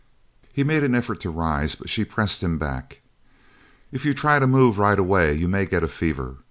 He made an effort to rise, but she pressed him back. "If you try to move right away you may get a fever.